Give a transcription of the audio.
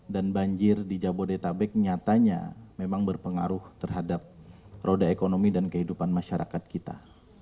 dan banjir di jabodetabek nyatanya memang berpengaruh terhadap roda ekonomi dan kehidupan masyarakat kita